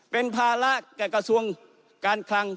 เป็นภาระแก่กระทรวงการคลัง